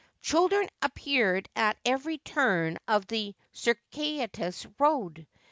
Children appeared at every turn of the circuitous road.